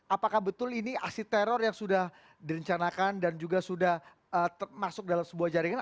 apakah betul ini aksi teror yang sudah direncanakan dan juga sudah masuk dalam sebuah jaringan